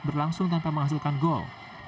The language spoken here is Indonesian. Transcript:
berlangsung tanpa menghasilkan gol